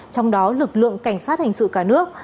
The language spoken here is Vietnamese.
trong đó lực lượng cảnh sát hình sự cả nước